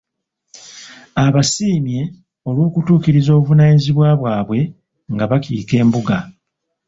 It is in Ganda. Abasiimye olw'okutuukiriza obuvunaanyizibwa bwabwe nga bakiika embuga.